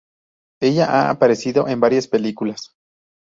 Ella ha aparecido en varias películas.